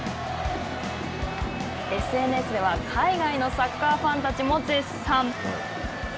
ＳＮＳでは海外のサッカーファンたちも絶賛。